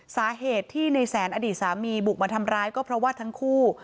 สาเหตุที่ในแสนอดีตสามีบุกมาทำร้ายก็เพราะว่าทั้งคู่